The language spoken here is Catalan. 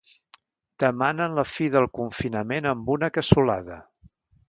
Demanen la fi del confinament amb una cassolada.